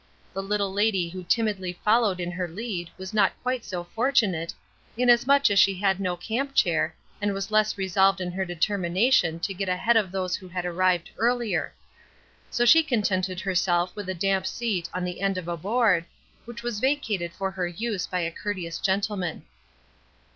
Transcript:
The little lady who timidly followed in her lead was not quite so fortunate, inasmuch as she had no camp chair, and was less resolved in her determination to get ahead of those who had arrived earlier; so she contented herself with a damp seat on the end of a board, which was vacated for her use by a courteous gentleman.